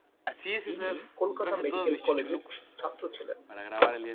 তিনি কলকাতা মেডিক্যাল কলেজের ছাত্র ছিলেন।